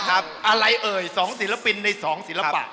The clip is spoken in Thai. อะไรเอ่ยสองศิลปินในสองศิลปะ